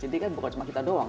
jadi kan bukan cuma kita doang